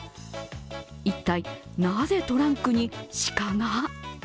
一体なぜ、トランクに鹿が？